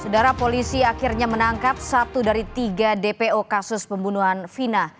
saudara polisi akhirnya menangkap satu dari tiga dpo kasus pembunuhan vina